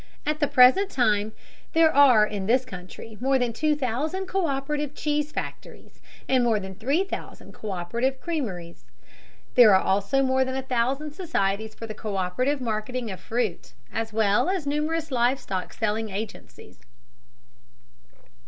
At the present time there are in this country more than two thousand co÷perative cheese factories, and more than three thousand co÷perative creameries. There are also more than a thousand societies for the co÷perative marketing of fruit, as well as numerous live stock selling agencies.